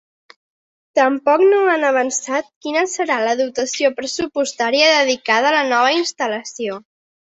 Tampoc no han avançat quina serà la dotació pressupostària dedicada a la nova instal·lació.